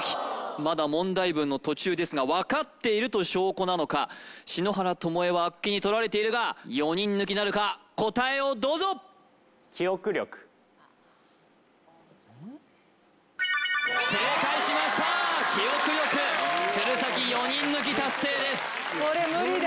まだ問題文の途中ですが分かっているという証拠なのか篠原ともえはあっけにとられているが４人抜きなるか答えをどうぞ鶴崎４人抜き達成です・これ無理だ